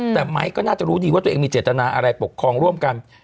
แต่ไม้ก็น่าจะรู้ดีว่าตัวเองมีเจตนาอะไรปกครองร่วมกัน